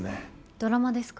ドラマですか？